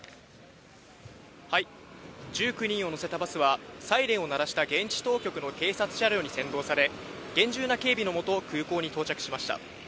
１９人を乗せたバスは、サイレンを鳴らした現地当局の警察車両に先導され、厳重な警備の下、空港に到着しました。